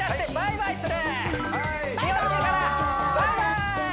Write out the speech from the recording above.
バイバーイ！